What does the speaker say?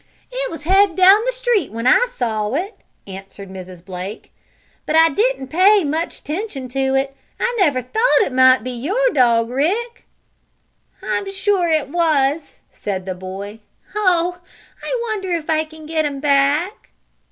"It was headed down the street when I saw it," answered Mrs. Blake. "But I didn't pay much attention to it. I never thought it might be your dog, Rick." "I'm sure it was," said the boy. "Oh, I wonder if I can get him back?"